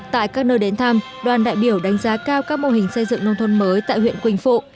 tại các nơi đến thăm đoàn đại biểu đánh giá cao các mô hình xây dựng nông thôn mới tại huyện quỳnh phụ